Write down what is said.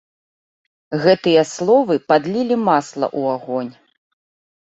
Гэтыя словы падлілі масла ў агонь.